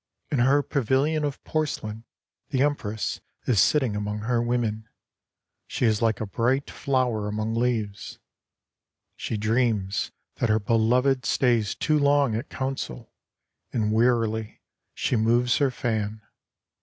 In her pavilion of porcelain the Empress is sitting among her women. She is like a bright flower among leaves. She dreams that her beloved stays too long at council, and wearily she moves her fan.